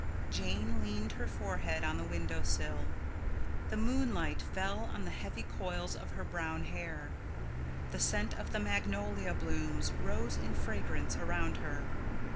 Jane leaned her forehead on the window sill. The moonlight fell on the heavy coils of her brown hair. The scent of the magnolia blooms rose in fragrance around her.